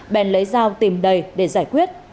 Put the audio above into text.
bèn lấy dao tìm đầy để giải quyết